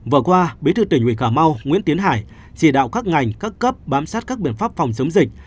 vừa qua bí thư tỉnh ủy cà mau nguyễn tiến hải chỉ đạo các ngành các cấp bám sát các biện pháp phòng chống dịch